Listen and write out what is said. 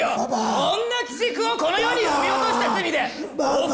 こんな鬼畜をこの世に産み落とした罪でパパ！